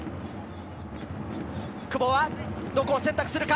久保はどこを選択するか？